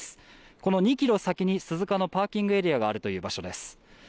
この２キロ先に鈴鹿のパーキングエリアがあるという場所です。